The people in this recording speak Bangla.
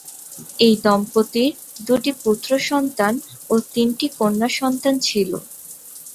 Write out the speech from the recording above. এই দম্পতির দুইটি পুত্রসন্তান ও তিনটি কন্যাসন্তান ছিল।